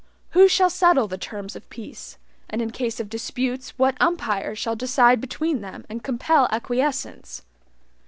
Who shall settle the terms of peace, and in case of disputes what umpire shall decide between them and compel acquiescence?